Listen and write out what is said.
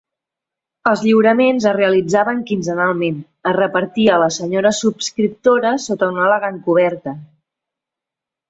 Els lliuraments es realitzaven quinzenalment, es repartia a les senyores subscriptores sota una elegant coberta.